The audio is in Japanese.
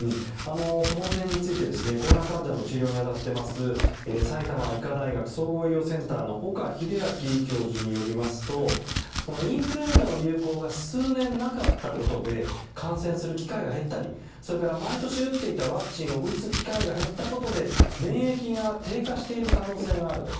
その点についてコロナ患者の治療に当たっています埼玉医科大学総合医療センターの岡秀昭教授によりますとインフルエンザの流行が数年なかったことで感染する機会が減ったりそれから毎年打っていたワクチンを打つ機会が減ったことで免疫が低下している可能性があると。